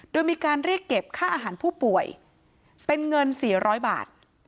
โดยมีการเรียกเก็บค่าอาหารผู้ป่วยเป็นเงิน๔๐๐บาท